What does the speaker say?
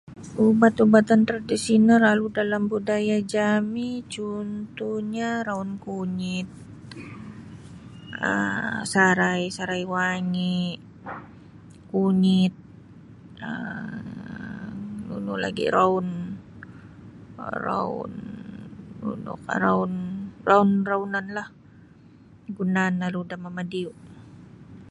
Ubat-ubatan tradisional aru dalam budaya jami cuntuhnya raun kunyit um sarai um sarai wangi kunyit um nunu lagi roun roun nunu roun roun-rounanlah gunaan aru da mamadiyu.